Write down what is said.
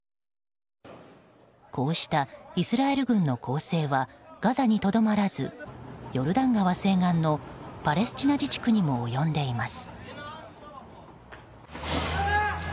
こうしたイスラエル軍の攻勢はガザにとどまらずヨルダン川西岸のパレスチナ自治区にも及んでいます。